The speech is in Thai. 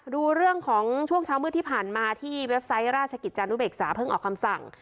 ดูเรื่องของช่วงเช้ามืดที่ผ่านมาที่เว็บไซต์ราชกิจจานุเบกษาเพิ่งออกคำสั่ง